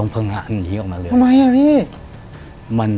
ช่วยด้วย